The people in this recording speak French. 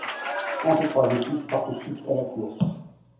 Trente-trois équipes participent à la course.